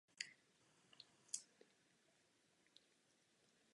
Báseň má bez ohledu na obsah či formu vyvolávat dojmy.